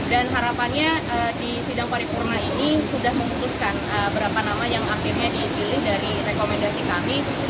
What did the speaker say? dan harapannya di sidang paripurna ini sudah memutuskan berapa nama yang akhirnya dipilih dari rekomendasi kami